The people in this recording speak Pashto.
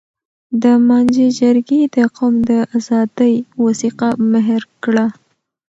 د مانجې جرګې د قوم د آزادۍ وثیقه مهر کړه.